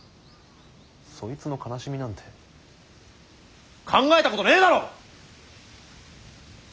そいつの悲しみなんて考えたことねえだろ！